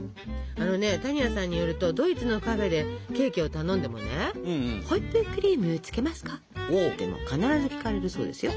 あのね多仁亜さんによるとドイツのカフェでケーキを頼んでもね「ホイップクリームつけますか？」って必ず聞かれるそうですよ。